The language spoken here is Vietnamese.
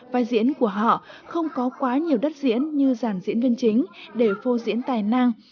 vai diễn của họ không có quá nhiều đất diễn như giàn diễn viên chính để phô diễn tài năng